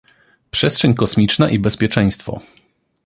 Przestrzeń kosmiczna i bezpieczeństwo